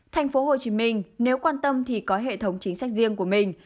thành phố hồ chí minh nếu quan tâm thì có hệ thống chính sách riêng của mình